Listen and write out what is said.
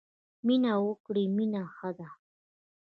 مینه وکړی مینه ښه ده.